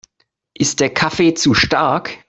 Ist der Kaffee zu stark?